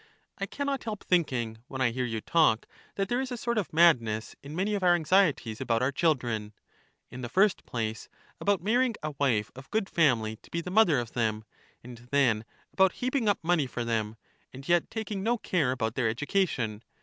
I can not help thinking, when I hear you talk, that there is a sort of madness in many of our anxieties about our children :— in the first place, about marrying a wife of good family to be the mother of them, and then about heaping up money for them — and yet taking no care about their education.